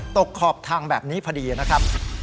ขอบทางแบบนี้พอดีนะครับ